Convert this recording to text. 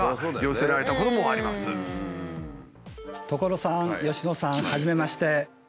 所さん佳乃さんはじめまして。